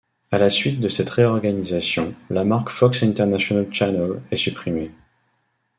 À la suite de cette réorganisation, la marque Fox International Channels est supprimée.